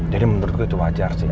jadi menurut gua itu wajar sih